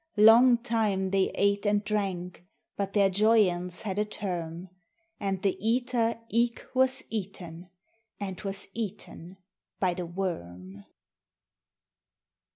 Long time they ate and drank, but their joyaunce had a term; ✿ And the eater eke was eaten, and was eaten by the worm.